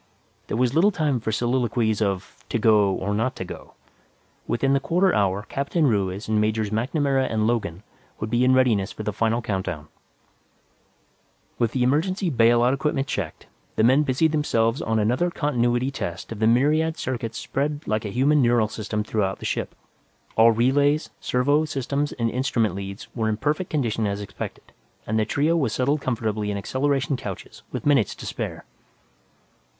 There was little time for soliloquies of to go, or not to go; within the quarter hour, Captain Ruiz and Majors MacNamara and Logan would be in readiness for the final count down. With the emergency bail out equipment checked, the men busied themselves on another continuity test of the myriad circuits spread like a human neural system throughout the ship. All relays, servo systems and instrument leads were in perfect condition as expected, and the trio was settled comfortably in acceleration couches with minutes to spare.